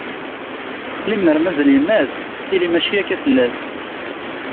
Lemmer mazal yemma-s, tili mačči akka fell-as.